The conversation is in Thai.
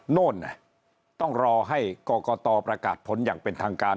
โน่นต้องรอให้กรกตประกาศผลอย่างเป็นทางการ